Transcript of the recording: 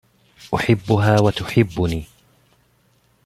أحبها و تحبني.